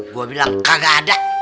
gua bilang kagak ada